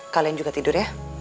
kalian juga tidur ya